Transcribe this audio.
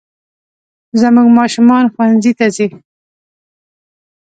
زموږ ماشومان ښوونځي ته ځي